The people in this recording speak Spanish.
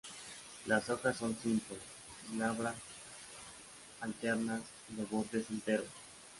Las hojas son simples, glabras, alternas, de borde entero.